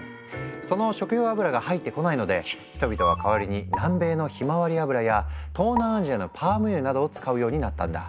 その食用油が入ってこないので人々は代わりに南米のひまわり油や東南アジアのパーム油などを使うようになったんだ。